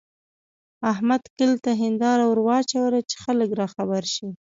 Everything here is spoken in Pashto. احمد کلي ته هېنداره ور واچوله چې خلګ راخبر شي.